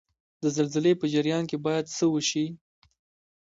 د زلزلې په جریان کې باید څه وشي؟